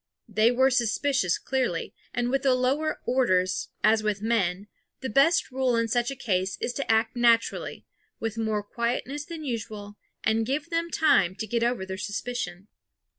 They were suspicious clearly; and with the lower orders, as with men, the best rule in such a case is to act naturally, with more quietness than usual, and give them time to get over their suspicion.